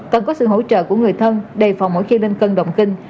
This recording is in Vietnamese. cần có sự hỗ trợ của người thân đề phòng mỗi khi lên cơn động kinh